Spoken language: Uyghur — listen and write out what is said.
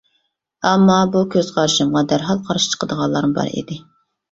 ئەمما، بۇ كۆز قارىشىمغا دەرھال قارشى چىقىدىغانلارمۇ بار ئىدى.